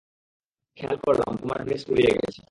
খেয়াল করলাম, তোমার ড্রিংক্স ফুরিয়ে গেছে।